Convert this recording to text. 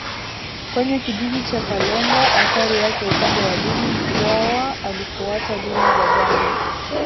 kwenye kijiji cha KalengaAthari yake upande wa dini Mkwawa alifuata dini za jadi